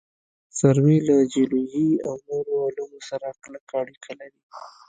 سروې له جیولوجي او نورو علومو سره کلکه اړیکه لري